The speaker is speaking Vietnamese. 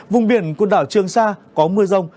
vùng biển quân đảo trường sa có mưa rông